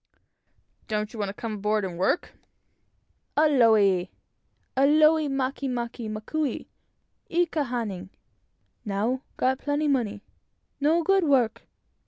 "Don't you want to come aboard and work?" "Aole! aole make make makou i ka hana. Now, got plenty money; no good, work.